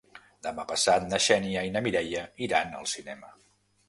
Demà passat na Xènia i na Mireia iran al cinema.